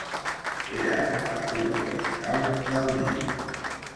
Era a la riba oriental del Nil.